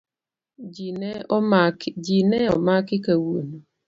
Ji ne omaki kawuono.